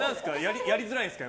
やりづらいですか？